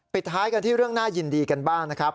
ท้ายกันที่เรื่องน่ายินดีกันบ้างนะครับ